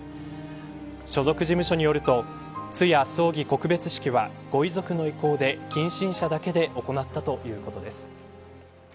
所属事務所によると通夜、葬儀、告別式はご遺族の意向で近親者だけで行ったということです。